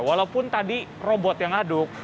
walaupun tadi robot yang aduk